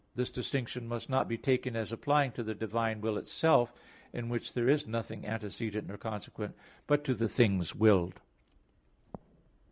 This distinction must not be taken as applying to the divine will itself, in which there is nothing antecedent nor consequent, but to the things willed.